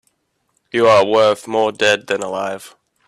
You're worth more dead than alive.